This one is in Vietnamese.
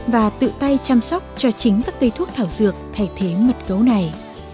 và tự tay chăm sóc cho chính các cây thuốc thảo dược thay thế mật gấu này